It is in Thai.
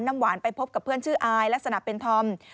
น้ำหวานไปพบกับเพื่อนชื่ออายลักษณะเป็นธอม